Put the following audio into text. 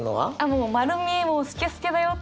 もう丸見えもうスケスケだよって。